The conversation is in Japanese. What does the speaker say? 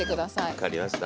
分かりました。